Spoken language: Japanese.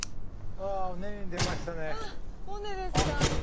あ尾根ですか。